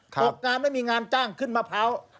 ตกงานไม่มีงานจ้างขึ้นมะพร้าว